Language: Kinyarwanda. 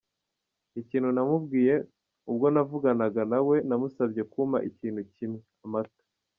Ikintu namubwiye ubwo navuganaga na we namusabye kumpa ikintu kimwe: Amata.